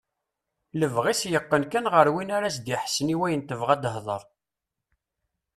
Lebɣi-s yeqqen kan ɣer win ara as-d-iḥessen i wayen tebɣa ad tehder.